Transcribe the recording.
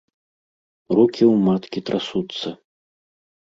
Рукі ў маткі трасуцца.